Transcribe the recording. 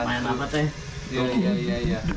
silahkan pak jelajah pak